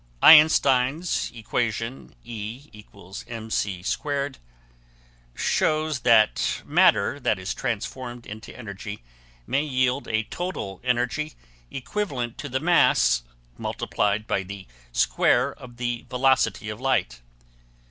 Einstein's equation, E = mc^2, shows that matter that is transformed into energy may yield a total energy equivalent to the mass multiplied by the square of the velocity of light.